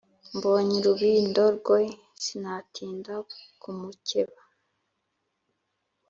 mbonye urubindo rwe sinatinda kumukeba,